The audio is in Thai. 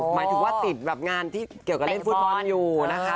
หมายถึงว่าติดแบบงานที่เกี่ยวกับเล่นฟุตบอลอยู่นะคะ